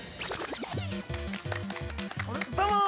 ◆どうも！